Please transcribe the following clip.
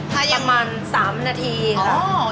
ตรงนั้นสามนาทีค่ะ